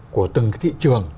của từng thị trường